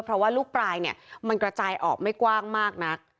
เพราะว่าลูกปลายเนี่ยมันกระจายออกไม่กว้างมากนัก